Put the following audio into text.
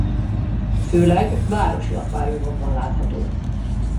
Főleg városi akváriumokban látható.